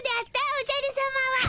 おじゃるさまは。